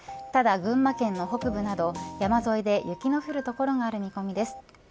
ただ、群馬県の北部など山沿いで雪の降る所がある見込みです。